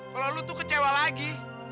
kalau lu tuh kecewa lagi